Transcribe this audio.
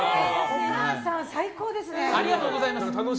お母さん、最高ですね。